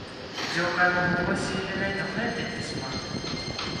業界も本腰入れないと廃れていってしまう